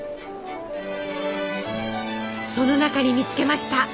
その中に見つけました。